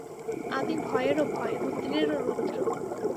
আমি ভয়েরও ভয়, রুদ্রেরও রুদ্র।